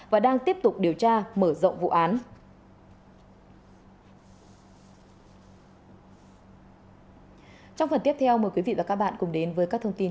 và đang tiếp tục điều tra mở rộng vụ án